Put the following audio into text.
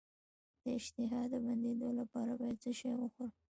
د اشتها د بندیدو لپاره باید څه شی وخورم؟